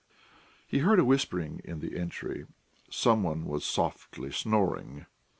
He heard a whispering in the entry; some one was softly snoring.